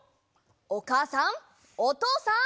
おかあさんおとうさん。